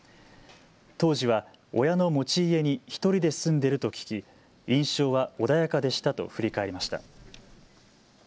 当時は親の持ち家に１人で住んでると聞き、印象は穏やかでしたと振り返りました。